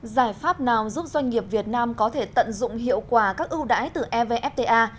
giải pháp nào giúp doanh nghiệp việt nam có thể tận dụng hiệu quả các ưu đãi từ evfta